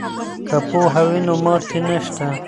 که پوهه وي نو ماتې نشته.